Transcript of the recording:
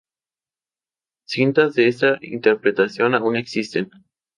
Cintas de esta interpretación aún existen.